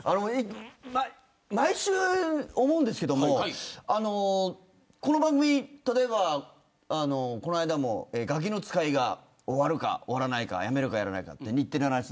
毎週思うんですけどもこの番組、例えば、この間もガキの使いが終わるか終わらないか、やめるかやらないかって、日テレのやつ。